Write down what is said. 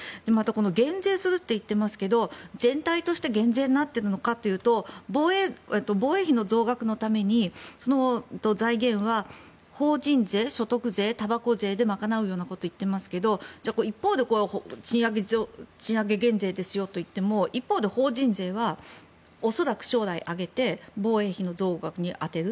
減税するって言ってますが全体として減税になってるかというと防衛費の増額のための財源は法人税、所得税、たばこ税で賄うようなことを言っていますけど一方で賃上げ税制ですよといっても一方で法人税は恐らく将来、上げて防衛費の増額に充てる。